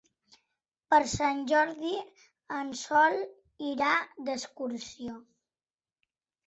Per Sant Jordi en Sol irà d'excursió.